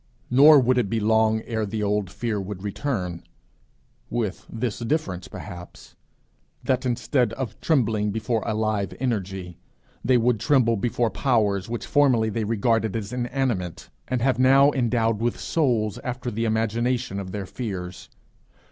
Nor would it be long ere the old fear would return with this difference, perhaps, that instead of trembling before a live energy, they would tremble before powers which formerly they regarded as inanimate, and have now endowed with souls after the imagination of their fears.